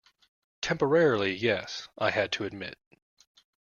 "Temporarily, yes," I had to admit.